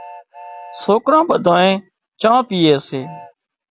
سوڪران ٻڌانئين چانه پيئي سي